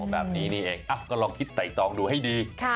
แบบนี้นี่เองก็ลองคิดไต่ตองดูให้ดี